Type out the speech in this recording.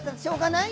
ない！